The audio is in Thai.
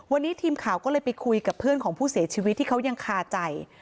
วันนี้ทีมข่าวก็เลยไปคุยกับเพื่อนของผู้เสียชีวิตที่เขายังคาใจ